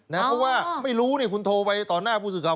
เพราะว่าไม่รู้คุณโทรไปต่อหน้าผู้สื่อข่าว